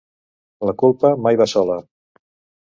La culpa mai va sola.